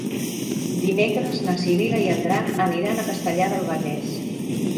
Dimecres na Sibil·la i en Drac aniran a Castellar del Vallès.